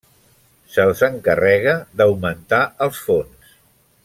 Se'ls encarrega d'augmentar els fons.